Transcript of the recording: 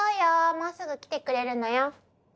もうすぐ来てくれるのよ。